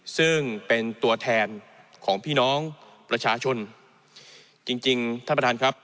ซึ่งเป็นตัวแทนของพี่น้องประชาชนจริงจริงท่านประธานครับ